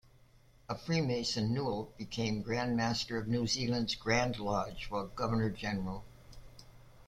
A Freemason, Newall became Grand Master of New Zealand's Grand Lodge while Governor-General.